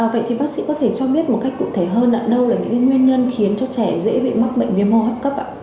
vậy thì bác sĩ có thể cho biết một cách cụ thể hơn đâu là những nguyên nhân khiến cho trẻ dễ bị mắc bệnh viêm hô hấp cấp ạ